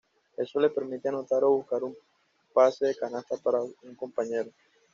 Eso le permite anotar o buscar un pase de canasta para un compañero.